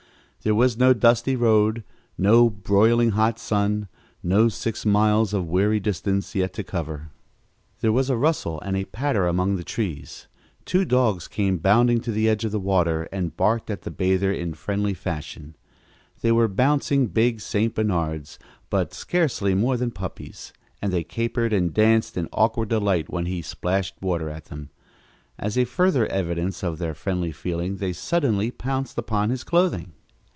There was no dusty road, no broiling hot sun, no six miles of weary distance yet to cover. There was a rustle and a patter among the trees. Two dogs came bounding to the edge of the water and barked at the bather in friendly fashion. They were bouncing big St. Bernards, but scarcely more than puppies, and they capered and danced in awkward delight when he splashed water at them. As a further evidence of their friendly feeling they suddenly pounced upon his clothing.